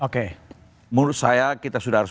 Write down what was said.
oke menurut saya kita sudah harus